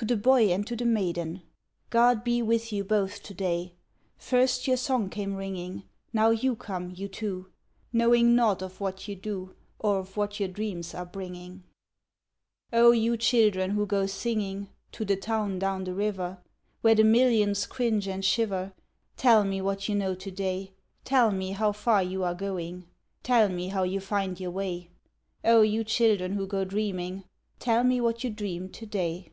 To the boy and to the maiden, "Grod be with you both to day. First yoiu* song came ringing, Now you come, you two, — Knowing naught of what you do, Or of what your dreams are bringing. iiii i "Oh you children who go smging To the Town down the River, Where the millions cringe and shiver. Tell me what you know to day; Tell me how far you are going, Tell me how you find your way. O you children who go dreaming, Tell me what you dream to day."